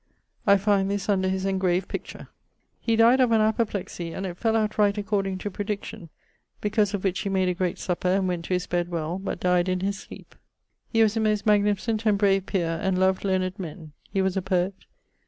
I find this under his engraved picture. He dyed of an apoplexy, and it fell out right according to prediction, because of which he made a great supper, and went to his bed well, but dyed in his sleep. He was a most magnificent and brave peer, and loved learned men. He was a poet.